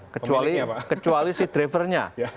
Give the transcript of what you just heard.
kecuali si drivernya